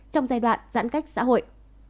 trong giai đoạn giãn cách xã hội